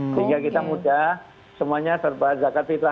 sehingga kita mudah semuanya terbahar zakat fitrah